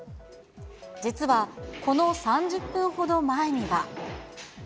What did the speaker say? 実はこの３０分ほど前には。